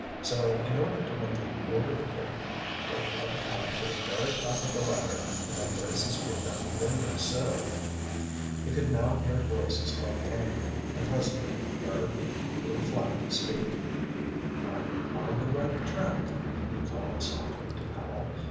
So, in order to look over the curtain, Dick had to climb to the very top of the ladder and then brace his feet on the window sill. He could now hear voices quite plainly, and presently heard Lew Flapp speak. "I'm on the right track," he called softly to Powell.